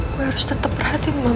gua harus tetep perhatiin mama